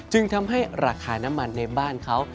ทำให้ราคาน้ำมันในบ้านเขา